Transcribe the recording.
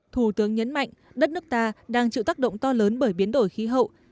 thủ tướng nhấn mạnh đất nước ta đang chịu tác động to lớn bởi biến đổi khí hậu